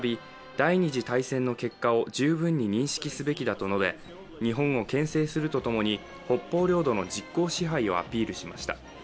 第二次大戦の結果を十分に認識すべきだと述べ日本をけん制すると共に北方領土の実効支配をアピールしました。